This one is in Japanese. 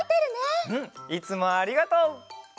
うんいつもありがとう。